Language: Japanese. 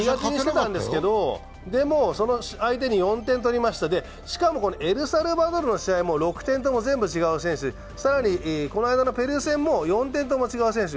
でもその相手に４点取りました、しかもこれエルサルバドルの試合、６点とも全部違う選手、更にこの間のペルー戦も４点とも違う選手。